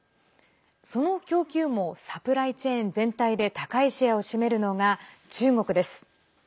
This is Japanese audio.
その供給網サプライチェーン全体で高いシェアを占めるのが中国です。